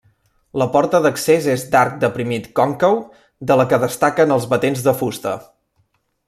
La porta d'accés és d'arc deprimit còncau, de la que destaquen els batents de fusta.